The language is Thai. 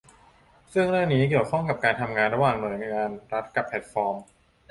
ซึ่งเรื่องนี้เกี่ยวข้องกับการทำงานระหว่างหน่วยงานรัฐกับแพลตฟอร์ม